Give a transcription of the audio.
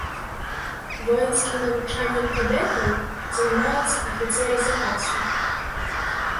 Воінскім навучаннем кадэтаў займаюцца афіцэры запасу.